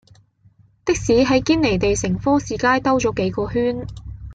的士喺堅尼地城科士街兜左幾個圈